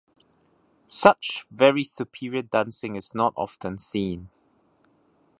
Such very superior dancing is not often seen.